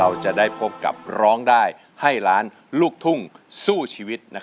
เราจะได้พบกับร้องได้ให้ล้านลูกทุ่งสู้ชีวิต